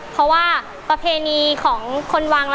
เพราะว่าประเพณีของคนวัง